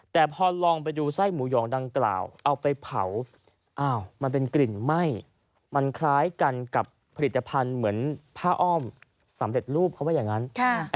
แต่พอลองไปดูไส้หมูหยองดังกล่าวเอาไปเผามันเป็นกลิ่นไหม้มันคล้ายกันกับผลิตภัณฑ์เหมือนผ้าอ้อมสำเร็จรูปเขาว่าอย่างนั้น